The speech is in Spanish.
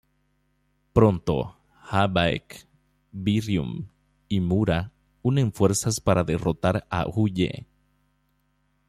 Pronto Ha-baek, Bi-ryum y Mu-ra unen fuerzas para derrotar a Hu-ye.